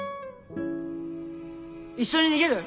一緒に逃げる？